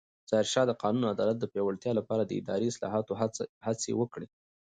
ظاهرشاه د قانون او عدالت د پیاوړتیا لپاره د اداري اصلاحاتو هڅې وکړې.